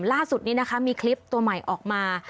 ล่าสุดนี้นะคะมีคลิปตัวใหม่ออกมา